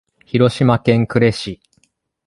広島県呉市